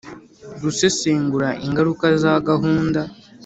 gusesengura ingaruka za gahunda